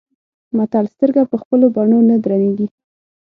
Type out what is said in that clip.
متل : سترګه په خپلو بڼو نه درنيږي.